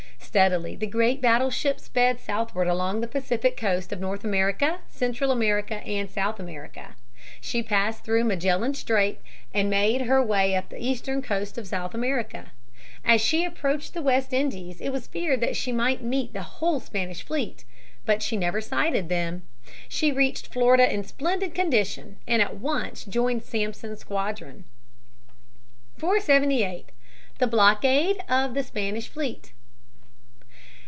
Steadily the great battleship sped southward along the Pacific coast of North America, Central America, and South America. She passed through Magellan Straits and made her way up the eastern coast of South America. As she approached the West Indies, it was feared that she might meet the whole Spanish fleet. But she never sighted them. She reached Florida in splendid condition and at once joined Sampson's squadron. [Sidenote: Santiago.] [Sidenote: Sinking of the Merrimac] 478. The Blockade of the Spanish Fleet.